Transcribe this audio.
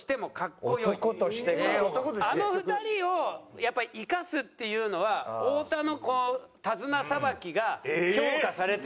あの２人をやっぱり生かすっていうのは太田の手綱さばきが評価されてるって事。